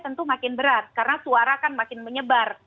tentu makin berat karena suara kan makin menyebar